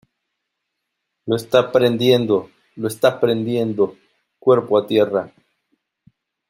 ¡ Lo esta prendiendo! ¡ lo esta prendiendo !¡ cuerpo a tierra !